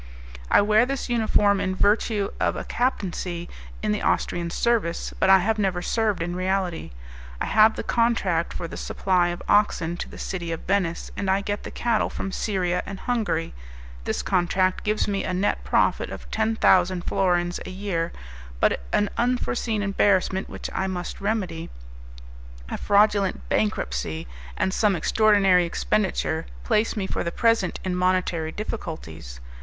"I wear this uniform in virtue of a captaincy in the Austrian service, but I have never served in reality. I have the contract for the supply of oxen to the City of Venice, and I get the cattle from Styria and Hungary. This contract gives me a net profit of ten thousand florins a year; but an unforeseen embarrassment, which I must remedy; a fraudulent bankruptcy, and some extraordinary expenditure, place me for the present in monetary difficulties.